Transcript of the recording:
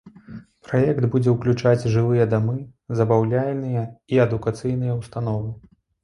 Праект будзе ўключаць жылыя дамы, забаўляльныя і адукацыйныя ўстановы.